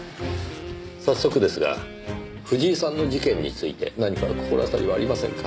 早速ですが藤井さんの事件について何か心当たりはありませんか？